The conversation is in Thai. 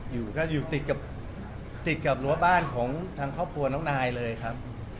อยู่ติดกับรั้วบ้านของทางครอบครัวน้องนายเลยครับ